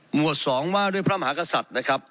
หมวดสองว่าพระมหากษัตริย์นะครับ